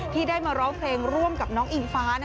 ที่ได้มาร้องเพลงร่วมกับน้องอิงฟ้า